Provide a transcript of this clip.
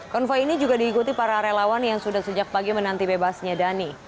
konvoy ini juga diikuti para relawan yang sudah sejak pagi menanti bebasnya dhani